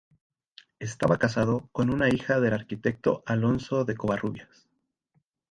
Estaba casado con una hija del arquitecto Alonso de Covarrubias.